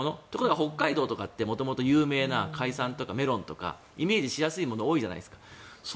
北海道とかって元々有名な海産とかメロンとかイメージしやすいものが多いじゃないですか。